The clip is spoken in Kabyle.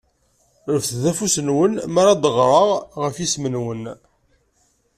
Refdet afus-nwen mara d-aɣreɣ ɣef yisem-nwen.